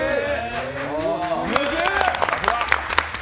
すげえ！